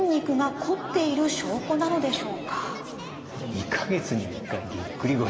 ２か月に一回ぎっくり腰。